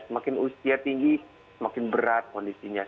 semakin usia tinggi semakin berat kondisinya